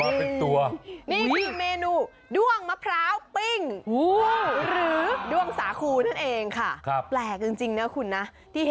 อันนี้ยิ่งกว่าหมาลาอีก